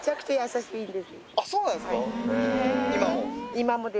あっそうなんですか。